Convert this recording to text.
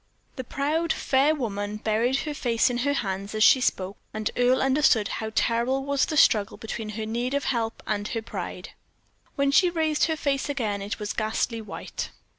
The proud, fair woman buried her face in her hands as she spoke, and Earle understood how terrible was the struggle between her need of help and her pride. When she raised her face again, it was ghastly white.